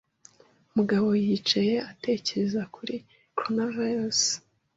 Mugabo yicaye atekereza kuri Coronavirus.